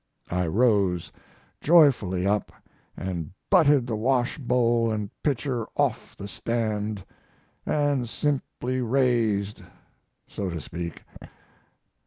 I rose joyfully up and butted the washbowl and pitcher off the stand, and simply raised so to speak.